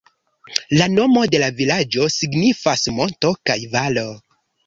La nomo de la vilaĝo signifas "Monto kaj Valo".